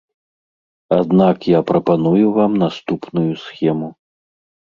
Аднак я прапаную вам наступную схему.